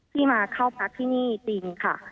ที่มาเข้าพักที่นี่จริงค่ะ